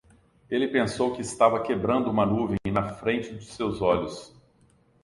Ele pensou que estava quebrando uma nuvem na frente de seus olhos.